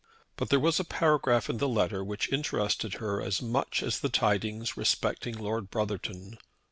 But there was a paragraph in the letter which interested her as much as the tidings respecting Lord Brotherton.